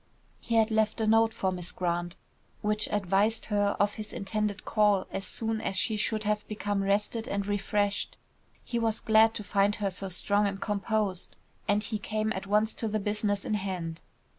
He had left a note for Miss Grant, which advised her of his intended call as soon as she should have become rested and refreshed. He was glad to find her so strong and so composed, and he came at once to the business in hand.